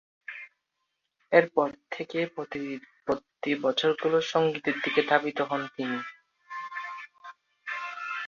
এরপর থেকেই পরবর্তী বছরগুলো সঙ্গীতের দিকেই ধাবিত হন তিনি।